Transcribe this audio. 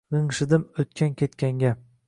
Gʻinshidim oʻtkan-ketganga